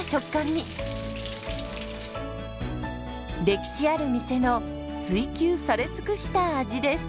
歴史ある店の追求され尽くした味です。